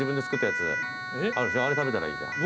あれ食べたらいいじゃん。